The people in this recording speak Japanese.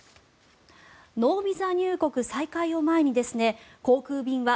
ノービザ入国再開を前に航空便は